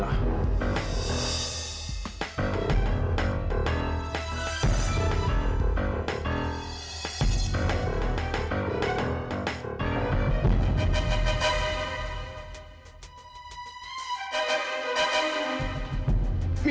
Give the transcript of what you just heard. ya allah gimana ini